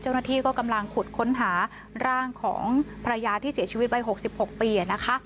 เจ้าหน้าที่ก็กำลังขุดค้นหาร่างของภรรยาที่เสียชีวิตวัย๖๖ปีนะคะ